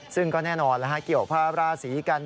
ซึ่งคงแน่นอนคียกภาพราศีกัน